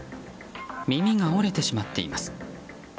耳が折れてしまっています。